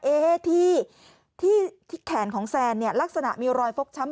เอ๊ะที่แขนของแซนลักษณะมีรอยฟกช้ำ